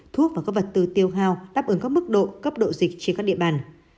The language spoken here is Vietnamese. thuốc và các vật tư tiêu hào đáp ứng các mức độ cấp độ dịch trên các địa bàn